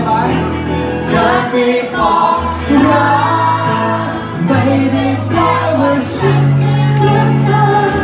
ไม่ได้แปลว่าฉันเหมือนเธอ